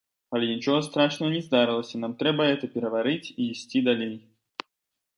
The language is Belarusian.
Але нічога страшнага не здарылася, нам трэба гэта пераварыць і ісці далей.